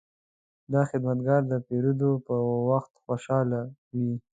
دا خدمتګر د پیرود پر وخت خوشحاله وي.